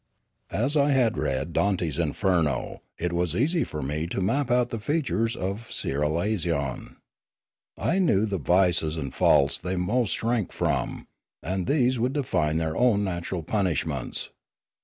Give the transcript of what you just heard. As I had read Dante's Inferno, it was easy for me to map out the features of Ciralaison. I knew the vices and faults they most shrank from, and these would define their own natural punishments.